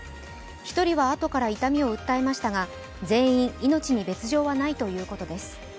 １人はあとから痛みを訴えましたが全員、命に別状はないということです。